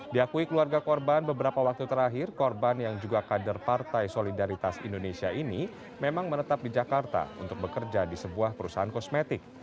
diakui keluarga korban beberapa waktu terakhir korban yang juga kader partai solidaritas indonesia ini memang menetap di jakarta untuk bekerja di sebuah perusahaan kosmetik